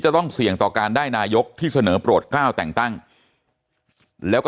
ต้องเสี่ยงต่อการได้นายกที่เสนอโปรดกล้าวแต่งตั้งแล้วก็